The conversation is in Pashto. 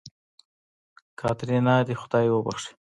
کاتېرينا دې خداى وبښي.